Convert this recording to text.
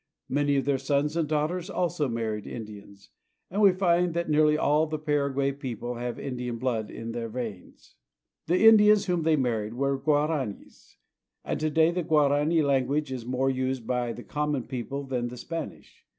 Many of their sons and daughters also mar ried Indians, and we find that nearly all the Paraguay people have Indian blood in their veins. The Indians whom they married were the Guaranis (gwa ra nes^), and to day the Guarani language is more used by the common people than the Spanish.